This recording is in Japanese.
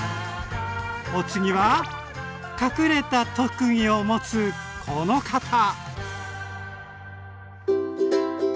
お次は隠れた特技を持つこの方！